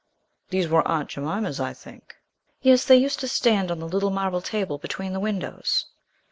These were Aunt Jemima's, I think.' 'Yes; they used to stand on the little marble table between the windows.'